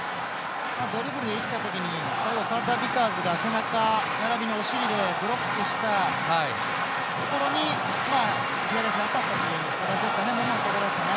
ドリブルでいったときにカータービカーズが背中ならびにお尻でブロックしたところに左足に当たったというところですかね。